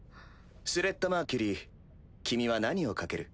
スレッタ・マーキュリー君は何を賭ける？